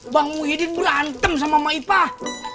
bang muhyiddin berantem sama mama ipah